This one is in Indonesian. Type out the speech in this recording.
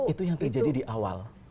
itu yang terjadi di awal